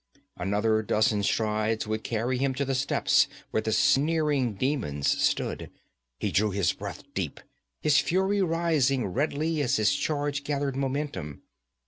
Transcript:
Another dozen strides would carry him to the steps where the sneering demons stood. He drew his breath deep, his fury rising redly as his charge gathered momentum.